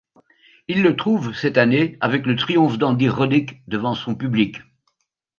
Il le trouve cette année avec le triomphe d'Andy Roddick devant son public.